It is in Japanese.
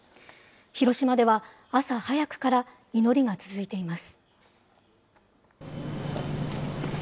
広島では朝早くから祈りが続いています。